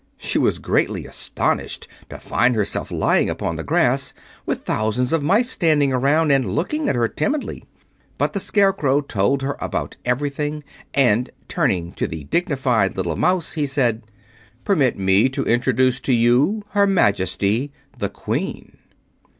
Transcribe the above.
She was greatly astonished to find herself lying upon the grass, with thousands of mice standing around and looking at her timidly. But the Scarecrow told her about everything, and turning to the dignified little Mouse, he said: "Permit me to introduce to you her Majesty, the Queen."